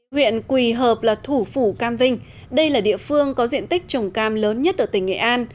huyện quỳ hợp là thủ phủ cam vinh đây là địa phương có diện tích trồng cam lớn nhất ở tỉnh nghệ an